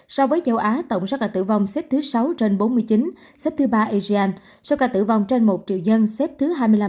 so với châu á tổng số ca tử vong xếp thứ sáu trên bốn mươi chín xếp thứ ba asean số ca tử vong trên một triệu dân xếp thứ hai mươi năm